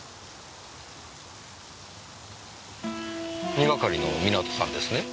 二係の港さんですね。